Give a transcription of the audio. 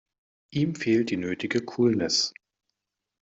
Ihm fehlt die nötige Coolness.